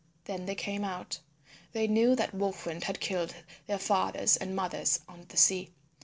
Then they came out. They knew that Wolf Wind had killed their fathers and mothers on the sea.